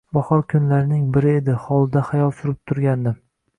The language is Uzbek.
Bahor kunlarining biri edi, hovlida xayol surib turgandim